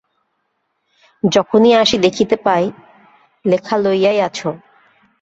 যখনি আসি দেখিতে পাই, লেখা লইয়াই আছ!